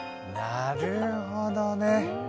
なるほどね。